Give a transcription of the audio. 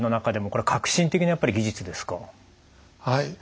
はい。